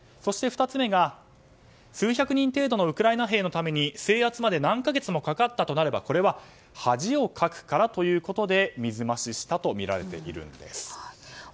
２つ目は、数百人のウクライナ兵のために制圧まで何か月もかかったとなれば、これは恥をかくからということで水増ししたとみられているんです。